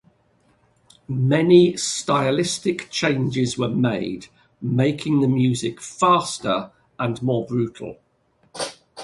Many stylistic changes were made, making the music faster and more brutal.